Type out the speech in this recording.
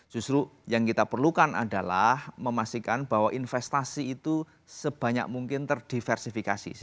justru yang kita perlukan adalah memastikan bahwa investasi itu sebanyak mungkin terdiversifikasi